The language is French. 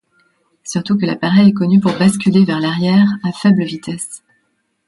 Surtout que l'appareil est connu pour basculer vers l'arrière à faible vitesse.